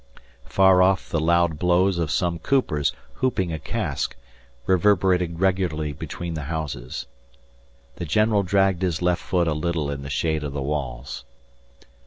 Far off the loud blows of some coopers hooping a cask, reverberated regularly between the houses. The general dragged his left foot a little in the shade of the walls.